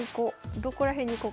どこら辺に行こうかな。